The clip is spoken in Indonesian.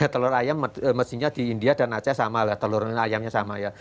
telur ayam mestinya di india dan aceh sama lah telur ayamnya sama ya